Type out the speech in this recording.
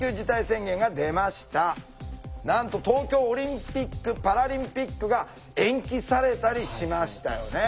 なんと東京オリンピック・パラリンピックが延期されたりしましたよね。